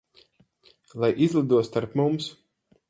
Lai izlido starp mums.